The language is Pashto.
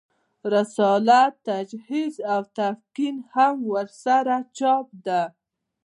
رساله تجهیز او تکفین هم ورسره چاپ ده.